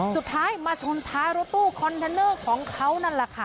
สุดท้ายมาชนท้ายรถตู้คอนเทนเนอร์ของเขานั่นแหละค่ะ